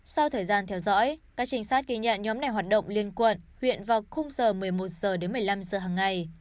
sau thời gian theo dõi các trinh sát ghi nhận nhóm này hoạt động liên quận huyện vào khung giờ một mươi một h đến một mươi năm h hằng ngày